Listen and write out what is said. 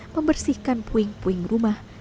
membersihkan puing puing rumah